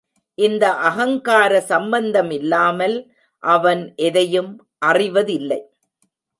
இந்த அகங்கார சம்பந்தமில்லாமல் அவன் எதையும் அறிவதில்லை.